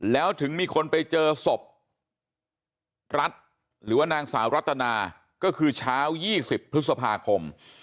แล้วถึงมีคนไปเจอศพรัฐหรือว่านางสาวรัตนาก็คือเช้า๒๐พฤษภาคม